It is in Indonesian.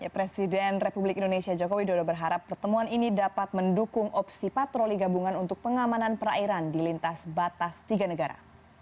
presiden republik indonesia joko widodo berharap pertemuan ini dapat mendukung opsi patroli gabungan untuk pengamanan perairan di lintas batas tiga negara